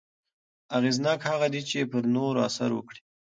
اغېزناک هغه دی چې پر نورو اثر وکړي.